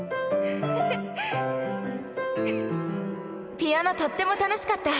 ピアノとっても楽しかった